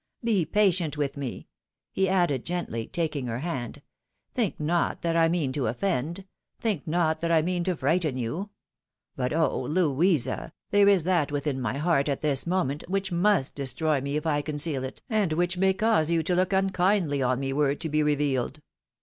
Be patient with me," he added, gently taking ier hand. " Think not that I mean to offend, tlunk not that I COOL AS A CUCUMBER. 287 mean to frighten you ; but, oh! Louisa, there is that within my heart at this moment ■which nmst destroy me if I conceal it, and which may cause you to look unkindly on me were it to be revealed.